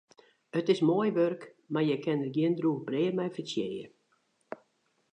It is moai wurk, mar je kinne der gjin drûch brea mei fertsjinje.